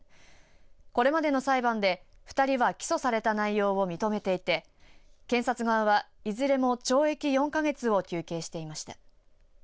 これまでの裁判で２人は起訴された内容を認めていて検察側は、いずれも懲役４か月を求刑していました。